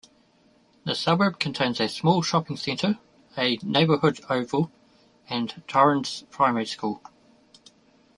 The suburb contains a small shopping centre, a neighbourhood oval, and Torrens Primary School.